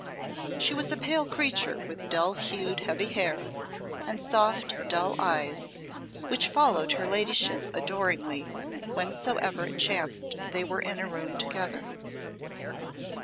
She was a pale creature with dull hued heavy hair and soft dull eyes, which followed her ladyship adoringly whensoever it chanced they were in a room together.